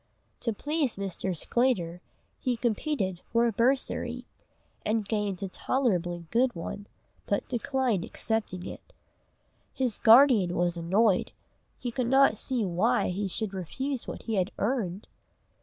To please Mr. Sclater he competed for a bursary, and gained a tolerably good one, but declined accepting it. His guardian was annoyed, he could not see why he should refuse what he had "earned."